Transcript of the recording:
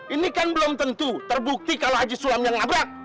ini kan belum tentu terbukti kalau haji suam yang nabrak